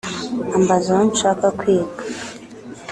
ambaza aho nshaka kwiga